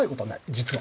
実は。